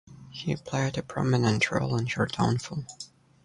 He played a prominent role in her downfall.